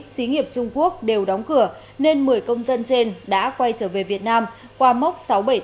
xí nghiệp trung quốc đều đóng cửa nên một mươi công dân trên đã quay trở về việt nam qua mốc sáu trăm bảy mươi tám